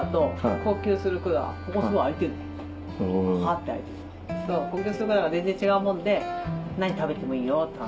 呼吸する管が全然違うもんで何食べてもいいよって話。